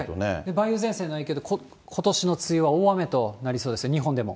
梅雨前線の影響で、ことしの梅雨は大雨となりそうですね、日本でも。